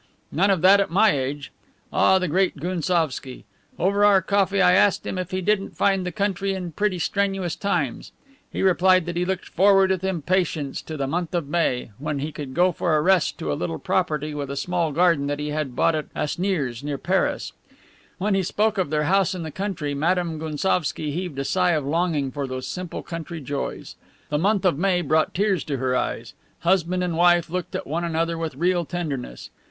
None of that at my age! Ah, the great Gounsovski! Over our coffee I asked him if he didn't find the country in pretty strenuous times. He replied that he looked forward with impatience to the month of May, when he could go for a rest to a little property with a small garden that he had bought at Asnieres, near Paris. When he spoke of their house in the country Madame Gounsovski heaved a sigh of longing for those simple country joys. The month of May brought tears to her eyes. Husband and wife looked at one another with real tenderness.